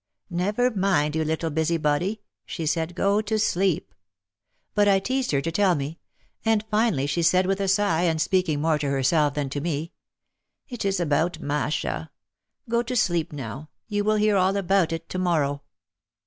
"Never mind, you little busybody," she said, "go to sleep." But I teased her to tell me. And finally she said with a sigh and speaking more to herself than to me, "It is about Masha. Go to sleep now, you will hear all about it to morrow."